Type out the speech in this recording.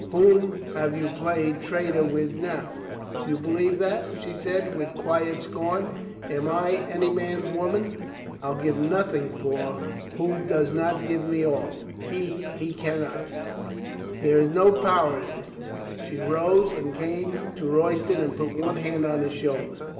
Whom have you played traitor with now?" "Do you believe that?" she said with quiet scorn. "Am I any man's woman? I'll give nothing for who does not give me all. He — he can not. There is no power in him." She rose and came to Royston and put one hand on his shoulder.